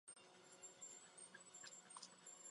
Ázerbájdžán slibuje plyn všem.